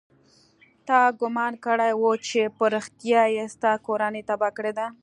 تا ګومان کړى و چې په رښتيا يې ستا کورنۍ تباه کړې ده.